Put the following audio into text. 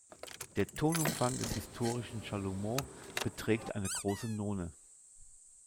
Der Tonumfang des historischen Chalumeau beträgt eine große None.